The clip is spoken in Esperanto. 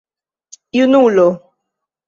junulo